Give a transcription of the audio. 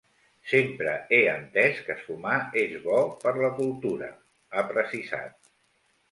Sempre he entès que sumar és bo per la cultura, ha precisat.